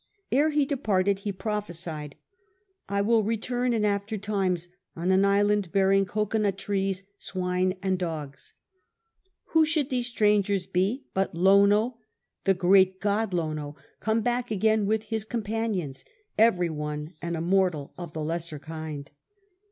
Ere he departed he prophesied, "I 'will return in after times on an isLand bearing cocod nut trees, swine, and dogs." Who should these strangers be but Lono, the great god Lono, come back again with his companions — every one an immortal of the lesser kind